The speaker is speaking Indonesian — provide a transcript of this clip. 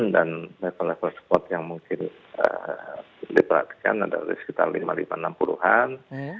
dan level level support yang mungkin diperhatikan adalah sekitar lima lima enam puluh an